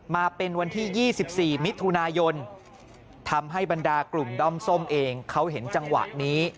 มาเป็นวันที่๒๔มิถุนายนทำให้บรรดากลุ่มด้อมส้มเองเขาเห็นจังหวะนี้